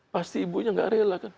pasti ibunya gak rela kan